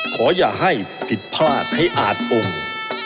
ขออย่าให้ผิดพลาดให้อาจองค์